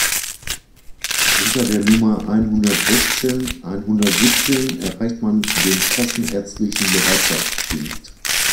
Unter der Nummer einhundertsechzehn einhundertsiebzehn erreicht man den kassenärztlichen Bereitschaftsdienst.